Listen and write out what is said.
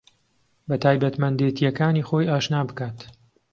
بە تایبەتمەندێتییەکانی خۆی ئاشنا بکات